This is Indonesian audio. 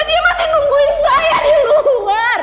dia masih nungguin saya di luar